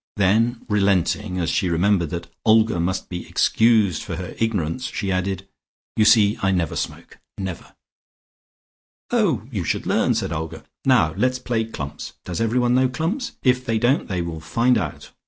Then relenting, as she remembered that Olga must be excused for her ignorance, she added: "You see I never smoke. Never." "Oh, you should learn," said Olga. "Now let's play clumps. Does everyone know clumps? If they don't they will find out.